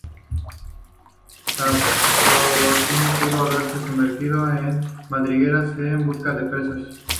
La probóscide pudo haberse sumergido en madrigueras en busca de presas.